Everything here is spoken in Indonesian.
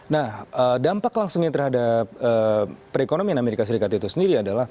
nah dampak langsungnya terhadap perekonomian amerika serikat itu sendiri adalah